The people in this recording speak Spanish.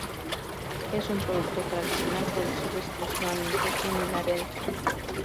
Es un producto tradicional, producido exclusivamente en el área de Kimi.